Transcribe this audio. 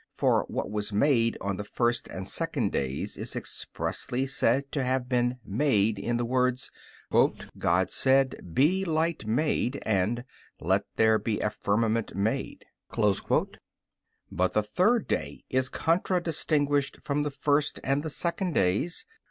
For what was made on the first and second days is expressly said to have been "made" in the words, "God said: Be light made," and "Let there be a firmament made."But the third day is contradistinguished from the first and the second days.